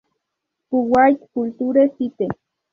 Kuwait Culture site.